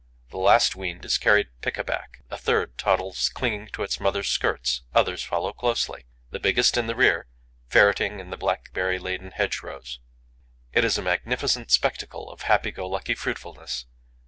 The last weaned is carried pick a back; a third toddles clinging to its mother's skirts; others follow closely, the biggest in the rear, ferreting in the blackberry laden hedgerows. It is a magnificent spectacle of happy go lucky fruitfulness.